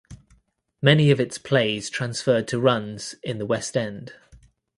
Many of its plays transferred to runs in the West End.